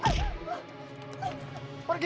pergi kamu pergi